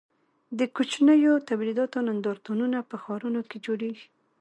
د کوچنیو تولیداتو نندارتونونه په ښارونو کې جوړیږي.